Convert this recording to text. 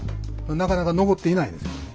なかなか残っていないんですよ。